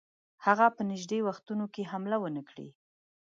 هغه په نیژدې وختونو کې حمله ونه کړي.